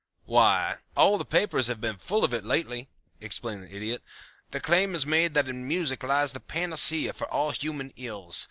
"Why, the papers have been full of it lately," explained the Idiot. "The claim is made that in music lies the panacea for all human ills.